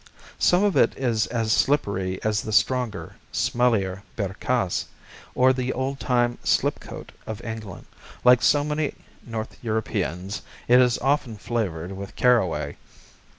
Some of it is as slippery as the stronger, smellier Bierkäse, or the old time Slipcote of England. Like so many North Europeans, it is often flavored with caraway.